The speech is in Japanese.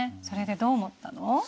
それでどう思ったの？